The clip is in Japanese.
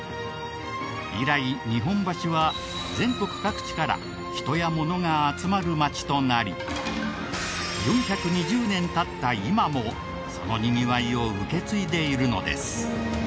以来日本橋は全国各地から人や物が集まる街となり４２０年経った今もそのにぎわいを受け継いでいるのです。